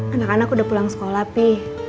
anak anak udah pulang sekolah nih